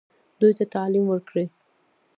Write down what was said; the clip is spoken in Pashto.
دوی ته تعلیم ورکړئ